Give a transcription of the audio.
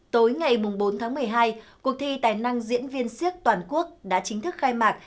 tối ngày bốn tháng một mươi hai cuộc thi tài năng diễn viên siếc toàn quốc đã chính thức khai mạc